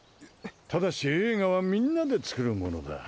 ただしえいがはみんなでつくるものだ。